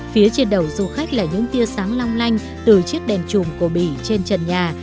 phía trên đầu du khách là những tia sáng long lanh từ chiếc đèn chùm của bỉ trên trần nhà